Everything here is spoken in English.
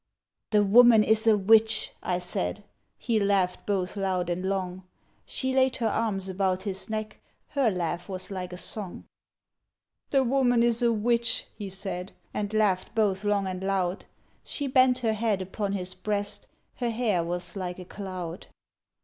' The woman is a witch,' I said ; He laughed both loud and long : She laid her arms about his neck. Her laugh was like a song. ' The woman is a witch,' he said, And laughed both long and loud ; She bent her head upon his breast. Her hair was like a cloud.